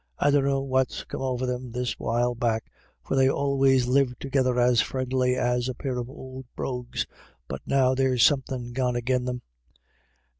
I dunno what's come over them this while back, for they always lived togither as frindly as a pair of ould brogues, but now there's somethin' gone agin them.